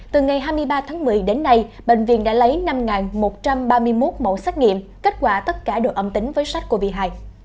từ ngày hai mươi ba tháng một mươi đến nay bệnh viện đã lấy năm một trăm ba mươi một mẫu xét nghiệm kết quả tất cả đồ âm tính với sách covid một mươi chín